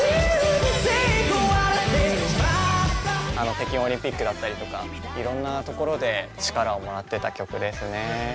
北京オリンピックだったりとかいろんな所で力をもらってた曲ですね。